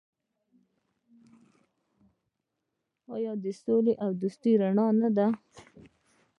آیا د سولې او دوستۍ رڼا نه ده؟